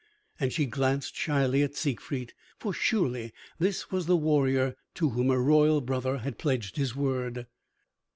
And she glanced shyly at Siegfried, for surely this was the warrior to whom her royal brother had pledged his word.